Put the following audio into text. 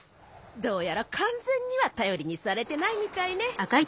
どうやら完全には頼りにされてないみたいね。